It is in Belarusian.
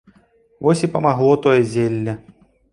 Вось і памагло тое зелле!